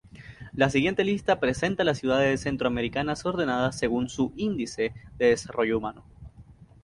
La siguiente lista presenta las ciudades centroamericanas ordenadas según su índice de desarrollo humano.